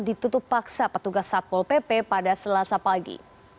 ditutup paksa petugas satpol pp pada selasa pagi